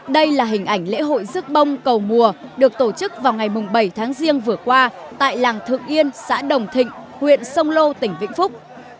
đây là hình ảnh lễ hội rước bông cầu mùa được tổ chức vào ngày bảy tháng riêng vừa qua tại làng thượng yên xã đồng thịnh huyện sông lô tỉnh vĩnh phúc